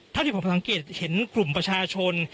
เท่าที่ผมสังเกตเห็นกลุ่มประชาชน